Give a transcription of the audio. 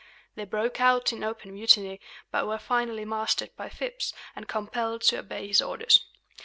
They broke out in open mutiny, but were finally mastered by Phips, and compelled to obey his orders.